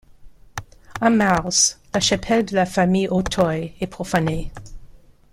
En mars, la chapelle de la famille Hautoy est profanée.